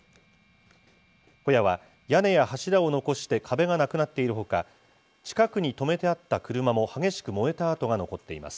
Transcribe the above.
小屋は屋根や柱を残して壁がなくなっているほか、近くに止めてあった車も激しく燃えた跡が残っています。